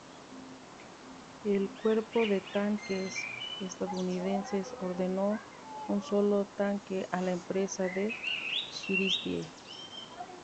El Cuerpo de Tanques estadounidense ordenó un solo tanque a la empresa de Christie.